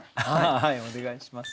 はいお願いします。